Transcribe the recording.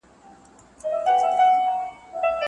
تاریخي تېروتنې بیا تکرارېږي.